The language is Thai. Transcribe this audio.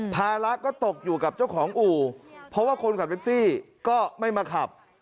ภาระก็ตกอยู่กับเจ้าของอู่เพราะว่าคนขับแท็กซี่ก็ไม่มาขับ